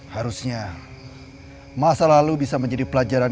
harusnya masa lalu bisa menjadi pelajaran